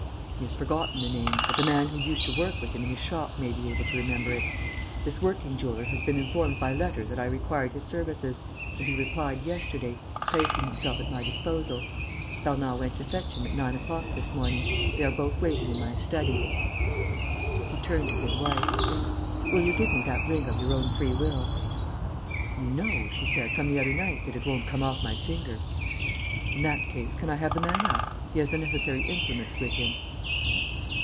He has forgotten the name, but the man who used to work with him in his shop may be able to remember it. This working jeweller has been informed by letter that I required his services and he replied yesterday, placing himself at my disposal. Bernard went to fetch him at nine o'clock this morning. They are both waiting in my study." He turned to his wife: "Will you give me that ring of your own free will?" "You know," she said, "from the other night, that it won't come off my finger." "In that case, can I have the man up? He has the necessary implements with him."